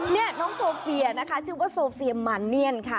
นี่น้องโซเฟียนะคะชื่อว่าโซเฟียมาเนียนค่ะ